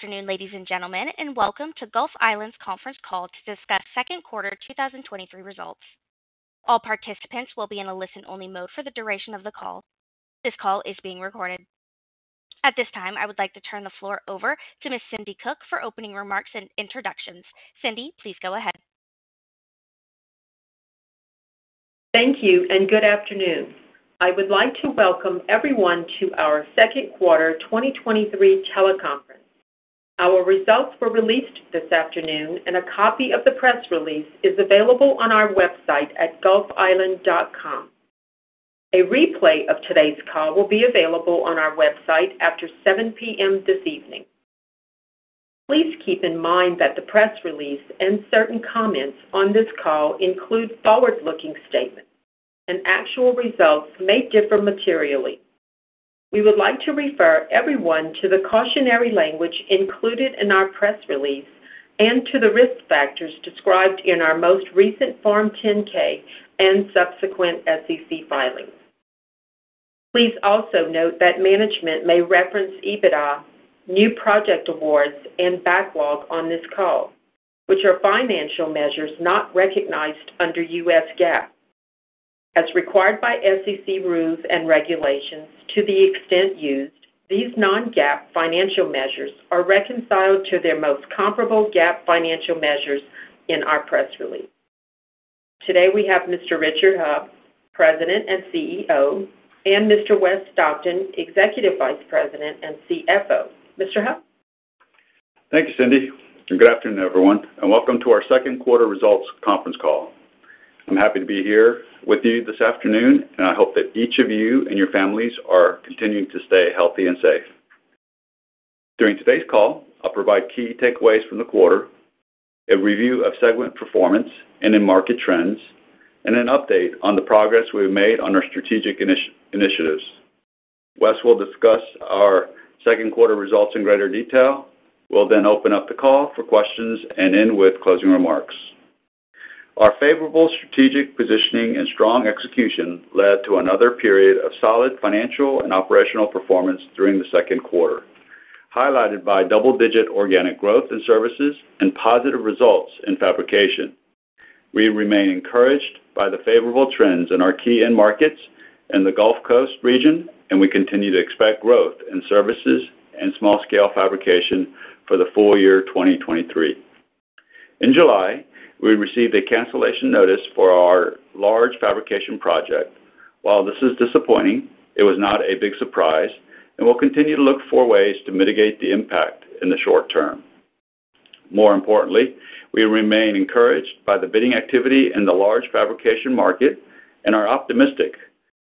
Good afternoon, ladies and gentlemen, and welcome to Gulf Island conference call to discuss second quarter 2023 results. All participants will be in a listen-only mode for the duration of the call. This call is being recorded. At this time, I would like to turn the floor over to Ms. Cindi Cook for opening remarks and introductions. Cindi, please go ahead. Thank you, and good afternoon. I would like to welcome everyone to our second quarter 2023 teleconference. Our results were released this afternoon, and a copy of the press release is available on our website at gulfisland.com. A replay of today's call will be available on our website after 7:00 P.M. this evening. Please keep in mind that the press release and certain comments on this call include forward-looking statements, and actual results may differ materially. We would like to refer everyone to the cautionary language included in our press release and to the risk factors described in our most recent Form 10-K and subsequent SEC filings. Please also note that management may reference EBITDA, new project awards, and backlog on this call, which are financial measures not recognized under U.S. GAAP. As required by SEC rules and regulations, to the extent used, these non-GAAP financial measures are reconciled to their most comparable GAAP financial measures in our press release. Today, we have Mr. Richard Heo, President and CEO, and Mr. Wes Stockton, Executive Vice President and CFO. Mr. Heo? Thank you, Cindi, and good afternoon, everyone, and welcome to our second quarter results conference call. I'm happy to be here with you this afternoon, and I hope that each of you and your families are continuing to stay healthy and safe. During today's call, I'll provide key takeaways from the quarter, a review of segment performance and in market trends, and an update on the progress we've made on our strategic initiatives. Wes will discuss our second quarter results in greater detail. We'll then open up the call for questions and end with closing remarks. Our favorable strategic positioning and strong execution led to another period of solid financial and operational performance during the second quarter, highlighted by double-digit organic growth in services and positive results in fabrication. We remain encouraged by the favorable trends in our key end markets and the Gulf Coast region. We continue to expect growth in services and small-scale fabrication for the full year 2023. In July, we received a cancellation notice for our large fabrication project. While this is disappointing, it was not a big surprise, and we'll continue to look for ways to mitigate the impact in the short term. More importantly, we remain encouraged by the bidding activity in the large fabrication market and are optimistic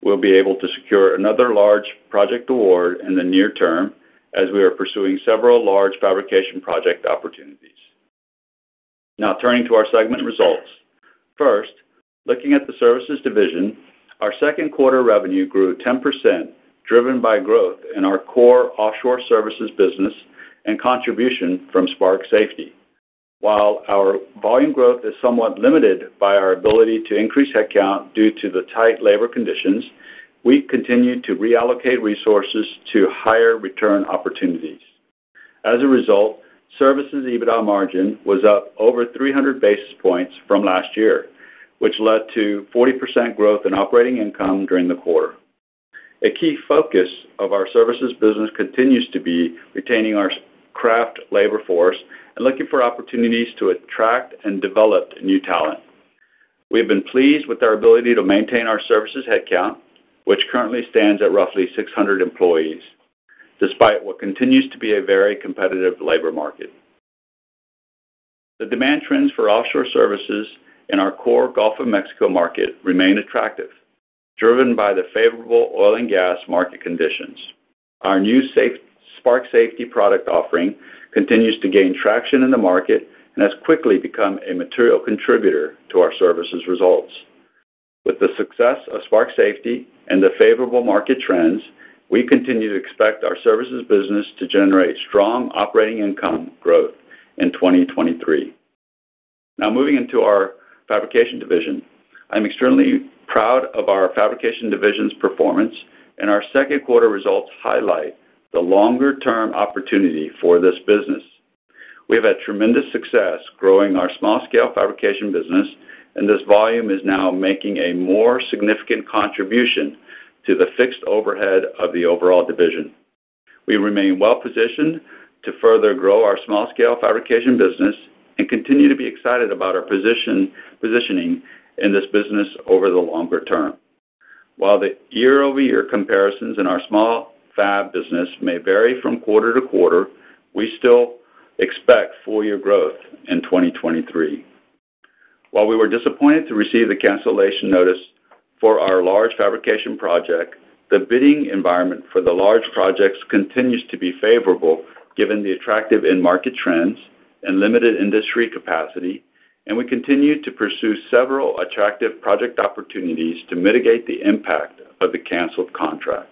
we'll be able to secure another large project award in the near term as we are pursuing several large fabrication project opportunities. Now, turning to our segment results. First, looking at the services division, our second quarter revenue grew 10%, driven by growth in our core offshore services business and contribution from Spark Safety. While our volume growth is somewhat limited by our ability to increase headcount due to the tight labor conditions, we continue to reallocate resources to higher return opportunities. As a result, services EBITDA margin was up over 300 basis points from last year, which led to 40% growth in operating income during the quarter. A key focus of our services business continues to be retaining our craft labor force and looking for opportunities to attract and develop new talent. We've been pleased with our ability to maintain our services headcount, which currently stands at roughly 600 employees, despite what continues to be a very competitive labor market. The demand trends for offshore services in our core Gulf of Mexico market remain attractive, driven by the favorable oil and gas market conditions. Our new Spark Safety product offering continues to gain traction in the market and has quickly become a material contributor to our services results. With the success of Spark Safety and the favorable market trends, we continue to expect our services business to generate strong operating income growth in 2023. Moving into our fabrication division. I'm extremely proud of our fabrication division's performance, and our second quarter results highlight the longer-term opportunity for this business. We have had tremendous success growing our small-scale fabrication business, and this volume is now making a more significant contribution to the fixed overhead of the overall division. We remain well positioned to further grow our small-scale fabrication business and continue to be excited about our positioning in this business over the longer term. While the year-over-year comparisons in our small fab business may vary from quarter to quarter, we still expect full year growth in 2023. While we were disappointed to receive the cancellation notice for our large fabrication project, the bidding environment for the large projects continues to be favorable, given the attractive end market trends and limited industry capacity, and we continue to pursue several attractive project opportunities to mitigate the impact of the canceled contract.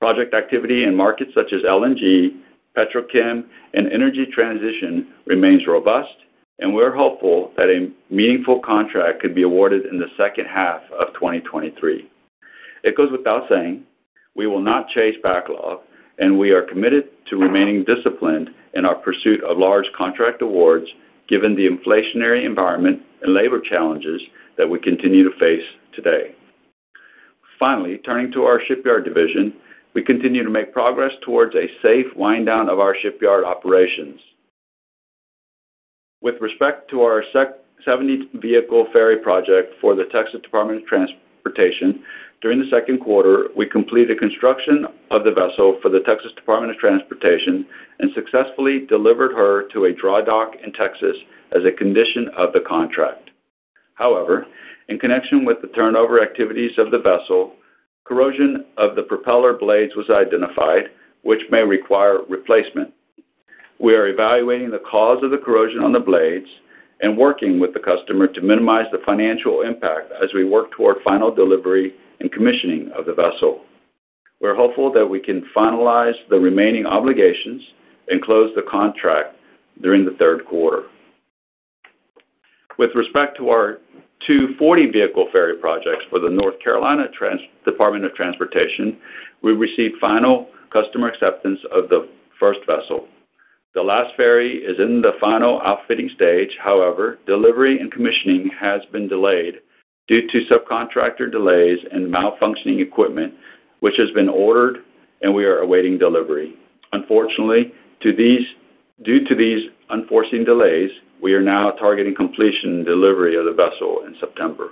Project activity in markets such as LNG, Petrochem, and energy transition remains robust, and we're hopeful that a meaningful contract could be awarded in the second half of 2023. It goes without saying, we will not chase backlog, and we are committed to remaining disciplined in our pursuit of large contract awards, given the inflationary environment and labor challenges that we continue to face today. Finally, turning to our shipyard division, we continue to make progress towards a safe wind down of our shipyard operations. With respect to our 70 vehicle ferry project for the Texas Department of Transportation, during the second quarter, we completed construction of the vessel for the Texas Department of Transportation and successfully delivered her to a dry dock in Texas as a condition of the contract. However, in connection with the turnover activities of the vessel, corrosion of the propeller blades was identified, which may require replacement. We are evaluating the cause of the corrosion on the blades and working with the customer to minimize the financial impact as we work toward final delivery and commissioning of the vessel. We're hopeful that we can finalize the remaining obligations and close the contract during the third quarter. With respect to our two 40 vehicle ferry projects for the North Carolina Department of Transportation, we received final customer acceptance of the first vessel. The last ferry is in the final outfitting stage. However, delivery and commissioning has been delayed due to subcontractor delays and malfunctioning equipment, which has been ordered, and we are awaiting delivery. Unfortunately, due to these unforeseen delays, we are now targeting completion and delivery of the vessel in September.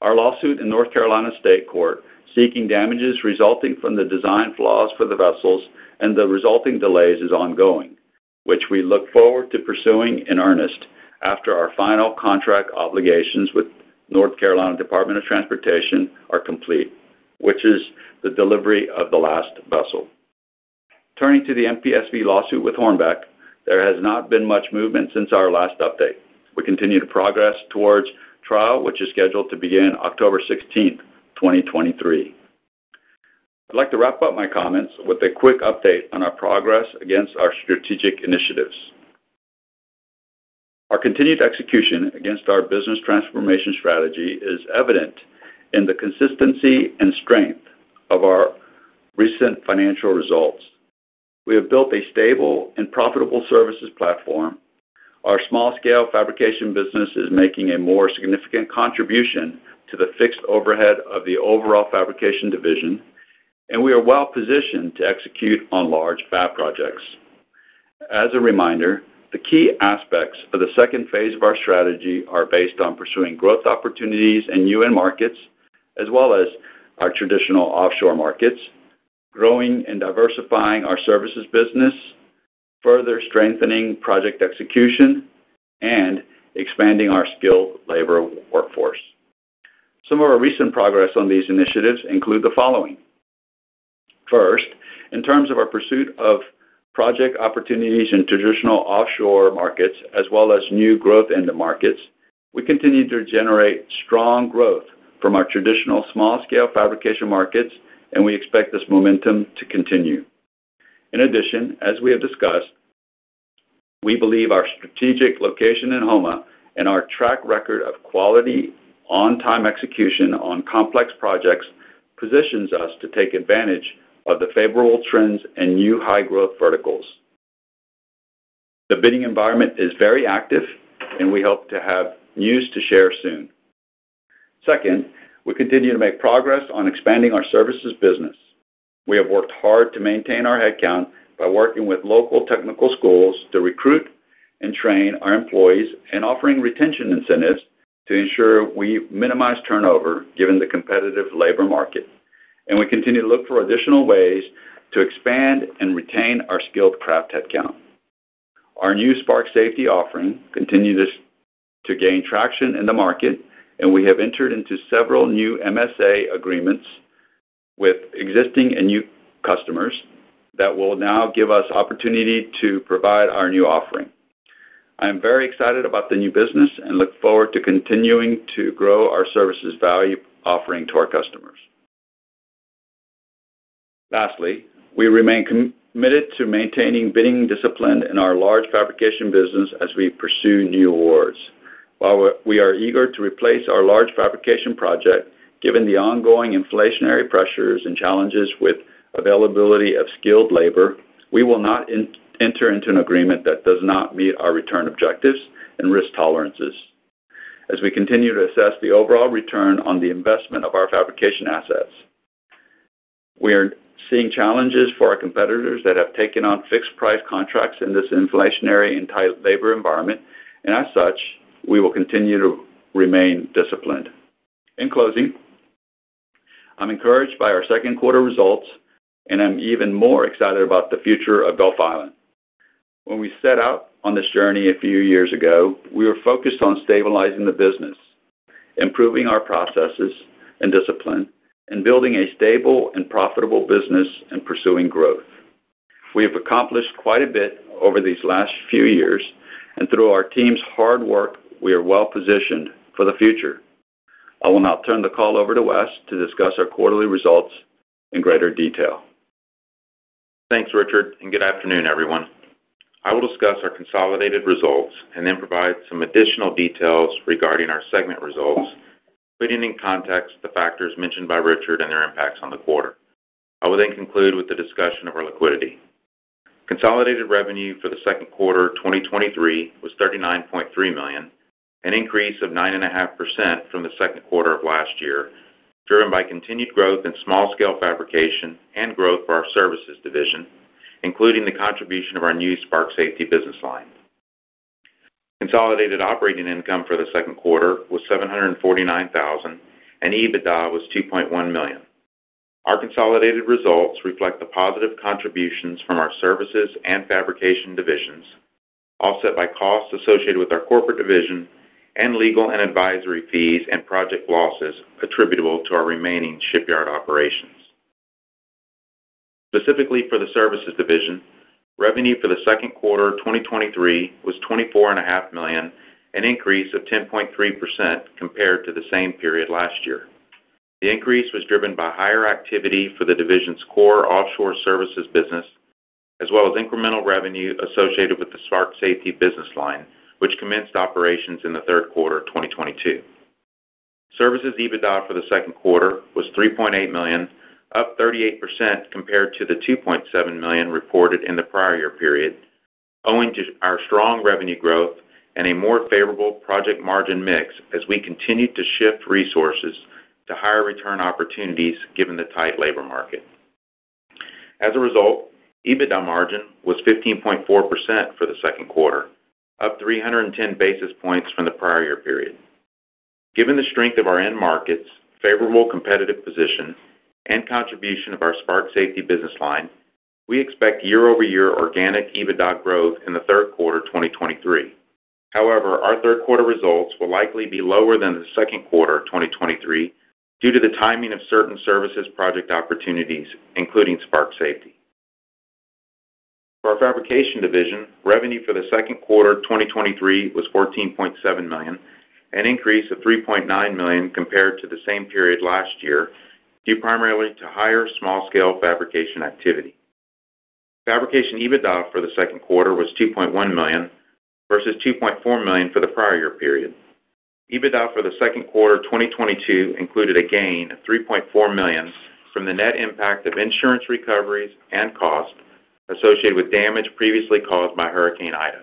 Our lawsuit in North Carolina State Court, seeking damages resulting from the design flaws for the vessels and the resulting delays, is ongoing, which we look forward to pursuing in earnest after our final contract obligations with North Carolina Department of Transportation are complete, which is the delivery of the last vessel. Turning to the MPSV lawsuit with Hornbeck, there has not been much movement since our last update. We continue to progress towards trial, which is scheduled to begin October 16th, 2023. I'd like to wrap up my comments with a quick update on our progress against our strategic initiatives. Our continued execution against our business transformation strategy is evident in the consistency and strength of our recent financial results. We have built a stable and profitable services platform. Our small-scale fabrication business is making a more significant contribution to the fixed overhead of the overall fabrication division, and we are well positioned to execute on large fab projects. As a reminder, the key aspects of the second phase of our strategy are based on pursuing growth opportunities in onshore markets, as well as our traditional offshore markets, growing and diversifying our services business, further strengthening project execution, and expanding our skilled labor workforce. Some of our recent progress on these initiatives include the following: First, in terms of our pursuit of project opportunities in traditional offshore markets, as well as new growth in the markets, we continue to generate strong growth from our traditional small-scale fabrication markets, and we expect this momentum to continue. In addition, as we have discussed, we believe our strategic location in Houma and our track record of quality, on-time execution on complex projects positions us to take advantage of the favorable trends and new high-growth verticals. The bidding environment is very active, and we hope to have news to share soon. Second, we continue to make progress on expanding our services business. We have worked hard to maintain our headcount by working with local technical schools to recruit and train our employees, and offering retention incentives to ensure we minimize turnover, given the competitive labor market. We continue to look for additional ways to expand and retain our skilled craft headcount. Our new Spark Safety offering continues to gain traction in the market, and we have entered into several new MSA agreements with existing and new customers that will now give us opportunity to provide our new offering. I am very excited about the new business and look forward to continuing to grow our services value offering to our customers. Lastly, we remain committed to maintaining bidding discipline in our large fabrication business as we pursue new awards. While we are eager to replace our large fabrication project, given the ongoing inflationary pressures and challenges with availability of skilled labor, we will not enter into an agreement that does not meet our return objectives and risk tolerances. As we continue to assess the overall return on the investment of our fabrication assets, we are seeing challenges for our competitors that have taken on fixed price contracts in this inflationary and tight labor environment, and as such, we will continue to remain disciplined. In closing, I'm encouraged by our second quarter results, and I'm even more excited about the future of Gulf Island. When we set out on this journey a few years ago, we were focused on stabilizing the business, improving our processes and discipline, and building a stable and profitable business, and pursuing growth. We have accomplished quite a bit over these last few years, and through our team's hard work, we are well positioned for the future. I will now turn the call over to Wes to discuss our quarterly results in greater detail. Thanks, Richard. Good afternoon, everyone. I will discuss our consolidated results and then provide some additional details regarding our segment results, putting in context the factors mentioned by Richard and their impacts on the quarter. I will conclude with the discussion of our liquidity. Consolidated revenue for the second quarter 2023 was $39.3 million, an increase of 9.5% from the second quarter of last year, driven by continued growth in small-scale fabrication and growth for our services division, including the contribution of our new Spark Safety business line. Consolidated operating income for the second quarter was $749,000. EBITDA was $2.1 million. Our consolidated results reflect the positive contributions from our services and fabrication divisions, offset by costs associated with our corporate division and legal and advisory fees and project losses attributable to our remaining shipyard operations. Specifically for the services division, revenue for the second quarter, 2023, was $24.5 million, an increase of 10.3% compared to the same period last year. The increase was driven by higher activity for the division's core offshore services business, as well as incremental revenue associated with the Spark Safety business line, which commenced operations in the third quarter of 2022. Services EBITDA for the second quarter was $3.8 million, up 38% compared to the $2.7 million reported in the prior year period, owing to our strong revenue growth and a more favorable project margin mix as we continued to shift resources to higher return opportunities, given the tight labor market. As a result, EBITDA margin was 15.4% for the second quarter, up 310 basis points from the prior year period. Given the strength of our end markets, favorable competitive position, and contribution of our Spark Safety business line, we expect year-over-year organic EBITDA growth in the third quarter 2023. However, our third quarter results will likely be lower than the second quarter of 2023, due to the timing of certain services project opportunities, including Spark Safety. For our fabrication division, revenue for the second quarter 2023 was $14.7 million, an increase of $3.9 million compared to the same period last year, due primarily to higher small-scale fabrication activity. Fabrication EBITDA for the second quarter was $2.1 million versus $2.4 million for the prior year period. EBITDA for the second quarter 2022 included a gain of $3.4 million from the net impact of insurance recoveries and costs associated with damage previously caused by Hurricane Ida.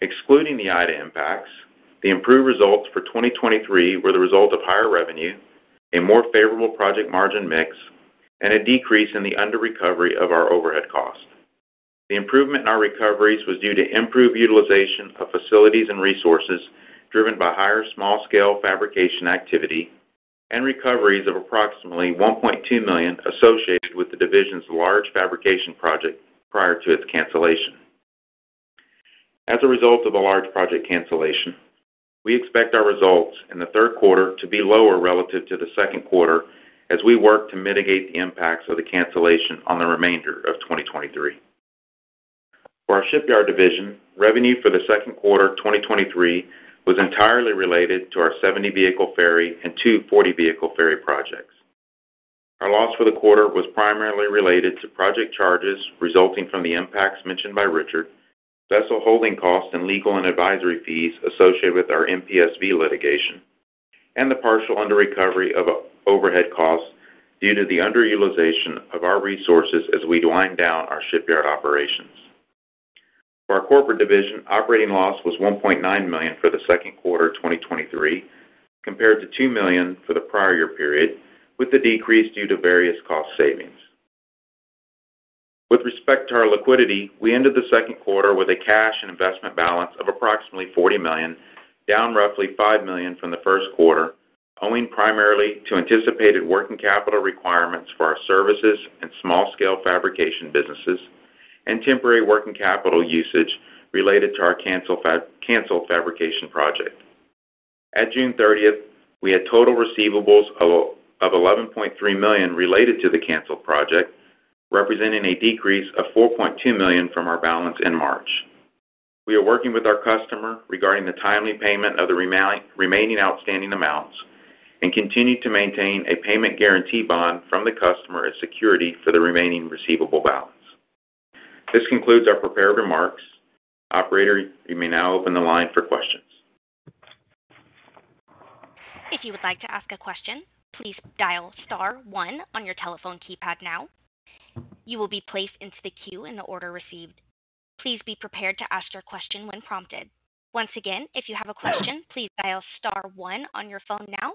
Excluding the Ida impacts, the improved results for 2023 were the result of higher revenue, a more favorable project margin mix, and a decrease in the under recovery of our overhead costs. The improvement in our recoveries was due to improved utilization of facilities and resources, driven by higher small-scale fabrication activity and recoveries of approximately $1.2 million associated with the division's large fabrication project prior to its cancellation. As a result of the large project cancellation, we expect our results in the third quarter to be lower relative to the second quarter as we work to mitigate the impacts of the cancellation on the remainder of 2023. For our shipyard division, revenue for the second quarter 2023 was entirely related to our 70-vehicle ferry and two 40-vehicle ferry projects. Our loss for the quarter was primarily related to project charges resulting from the impacts mentioned by Richard, vessel holding costs, and legal and advisory fees associated with our MPSV litigation, and the partial underrecovery of overhead costs due to the underutilization of our resources as we wind down our shipyard operations. For our corporate division, operating loss was $1.9 million for the 2Q 2023, compared to $2 million for the prior year period, with the decrease due to various cost savings. With respect to our liquidity, we ended the second quarter with a cash and investment balance of approximately $40 million, down roughly $5 million from the first quarter, owing primarily to anticipated working capital requirements for our services and small-scale fabrication businesses and temporary working capital usage related to our canceled fabrication project. At June 30th, we had total receivables of $11.3 million related to the canceled project, representing a decrease of $4.2 million from our balance in March. We are working with our customer regarding the timely payment of the remaining outstanding amounts and continue to maintain a payment guarantee bond from the customer as security for the remaining receivable balance. This concludes our prepared remarks. Operator, you may now open the line for questions. If you would like to ask a question, please dial star one on your telephone keypad now. You will be placed into the queue in the order received. Please be prepared to ask your question when prompted. Once again, if you have a question, please dial star one on your phone now, and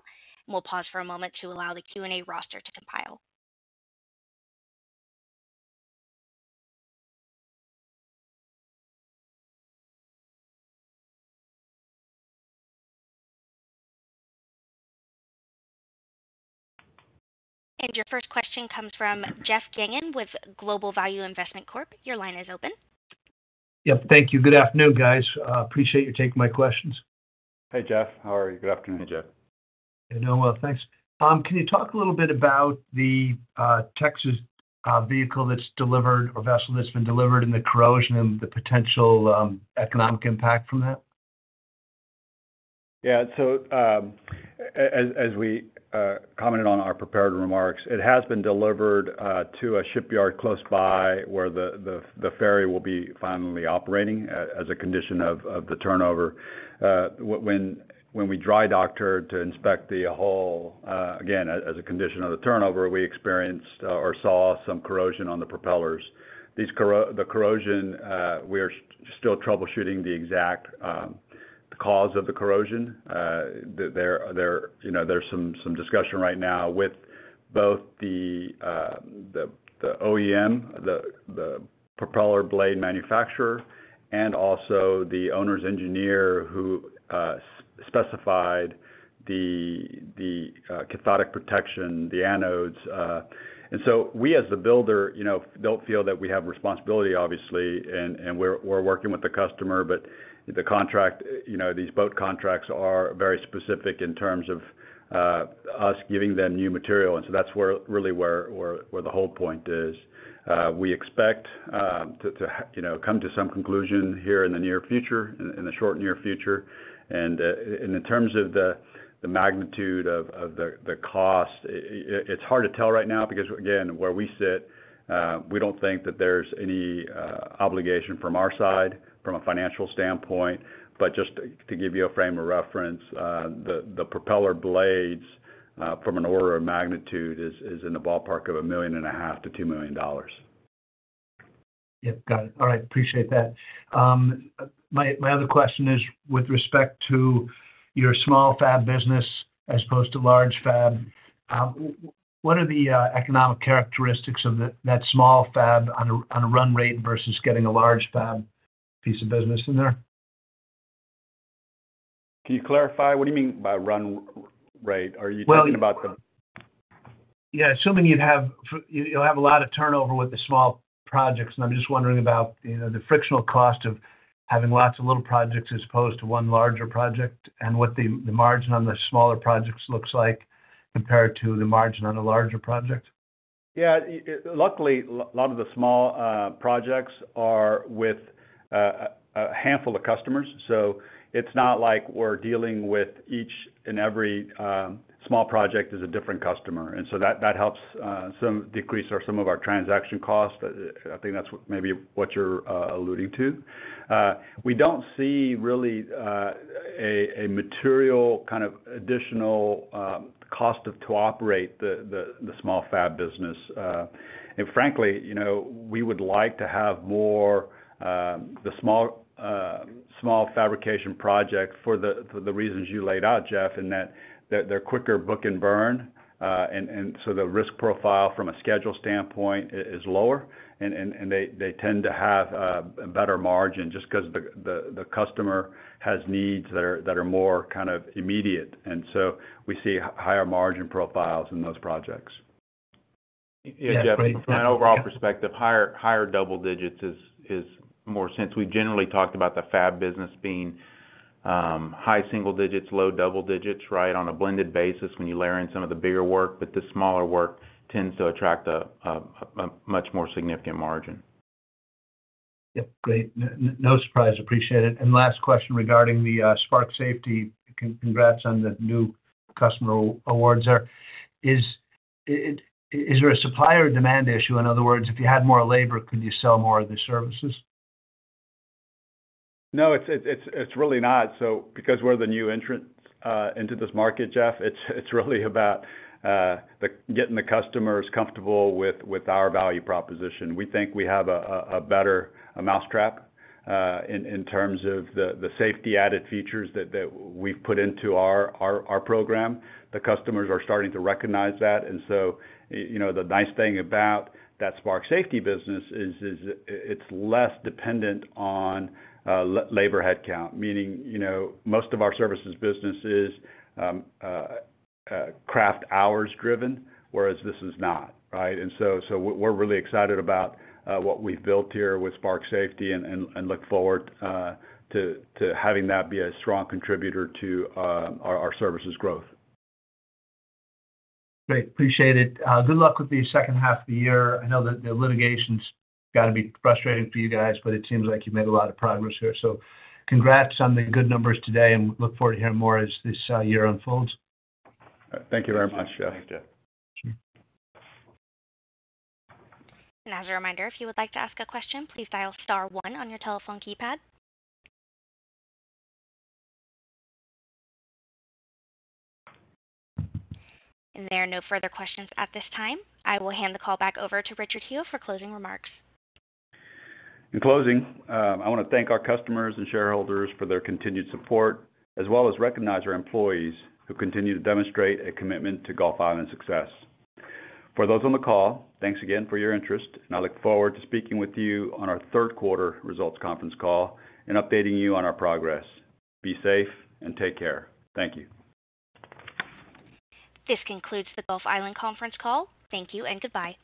we'll pause for a moment to allow the Q&A roster to compile. Your first question comes from Jeff Geygan with Global Value Investment Corp. Your line is open. Yep, thank you. Good afternoon, guys. appreciate you taking my questions. Hey, Jeff, how are you? Good afternoon, Jeff. Doing well, thanks. Can you talk a little bit about the Texas vehicle that's delivered or vessel that's been delivered in the corrosion and the potential economic impact from that? Yeah, as, as we commented on our prepared remarks, it has been delivered to a shipyard close by, where the, the, the ferry will be finally operating, as a condition of, of the turnover. When, when we dry docked her to inspect the hull, again, as a condition of the turnover, we experienced or saw some corrosion on the propellers. These the corrosion, we are still troubleshooting the exact the cause of the corrosion. There, there, you know, there's some, some discussion right now with both the, the, the OEM, the, the propeller blade manufacturer, and also the owner's engineer, who specified the, the, cathodic protection, the anodes. We, as the builder, you know, don't feel that we have responsibility, obviously, and, and we're, we're working with the customer. The contract, you know, these boat contracts are very specific in terms of us giving them new material, and so that's where, really where the whole point is. We expect to, to, you know, come to some conclusion here in the near future, in, in the short near future. In terms of the magnitude of the cost, it's hard to tell right now, because again, where we sit, we don't think that there's any obligation from our side from a financial standpoint. Just to, to give you a frame of reference, the propeller blades, from an order of magnitude, is in the ballpark of $1.5 million-$2 million. Yeah, got it. All right, appreciate that. My, my other question is with respect to your small fab business as opposed to large fab, what are the economic characteristics of that small fab on a, on a run rate versus getting a large fab piece of business in there? Can you clarify? What do you mean by run rate? Are you thinking about the- Well, yeah, assuming you'd have you'll have a lot of turnover with the small projects, and I'm just wondering about, you know, the frictional cost of having lots of little projects as opposed to one larger project, and what the, the margin on the smaller projects looks like compared to the margin on the larger project. Yeah, it, luckily, lot of the small projects are with a handful of customers, so it's not like we're dealing with each and every small project as a different customer. So that, that helps some decrease or some of our transaction costs. I think that's what maybe what you're alluding to. We don't see really a material kind of additional cost to operate the small fab business. Frankly, you know, we would like to have more the small small fabrication project for the reasons you laid out, Jeff, in that, they're quicker book and burn. So the risk profile from a schedule standpoint is lower, and they tend to have a better margin just because the customer has needs that are more kind of immediate. So we see higher margin profiles in those projects. Yeah, Jeff, from an overall perspective, higher, higher double digits is, is more sense. We've generally talked about the fab business being high single digits, low double digits, right? On a blended basis when you layer in some of the bigger work, the smaller work tends to attract a, a, a much more significant margin. Yep, great. No surprise, appreciate it. Last question regarding the Spark Safety. Congrats on the new customer awards there. Is there a supply or demand issue? In other words, if you had more labor, could you sell more of the services? No, it's, it's, it's really not. Because we're the new entrant into this market, Jeff, it's, it's really about getting the customers comfortable with, with our value proposition. We think we have a, a, a better a mousetrap in, in terms of the, the safety added features that, that we've put into our, our, our program. The customers are starting to recognize that. You know, the nice thing about that Spark Safety business is, is, it's less dependent on labor headcount. Meaning, you know, most of our services business is craft hours driven, whereas this is not, right? So we're really excited about what we've built here with Spark Safety and, and, and look forward to, to having that be a strong contributor to our services growth. Great, appreciate it. Good luck with the second half of the year. I know that the litigation's got to be frustrating for you guys, but it seems like you've made a lot of progress here. Congrats on the good numbers today, and look forward to hearing more as this year unfolds. Thank you very much, Jeff. Thanks, Jeff. As a reminder, if you would like to ask a question, please dial star one on your telephone keypad. There are no further questions at this time. I will hand the call back over to Richard Heo for closing remarks. In closing, I want to thank our customers and shareholders for their continued support, as well as recognize our employees, who continue to demonstrate a commitment to Gulf Island success. For those on the call, thanks again for your interest, and I look forward to speaking with you on our third quarter results conference call and updating you on our progress. Be safe and take care. Thank you. This concludes the Gulf Island conference call. Thank you and goodbye.